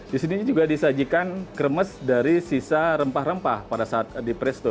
di sini juga disajikan kremes dari sisa rempah rempah pada saat di presto